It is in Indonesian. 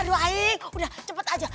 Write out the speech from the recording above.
aduh udah cepet aja